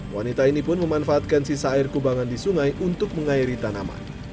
wanita ini pun memanfaatkan sisa air kubangan di sungai untuk mengairi tanaman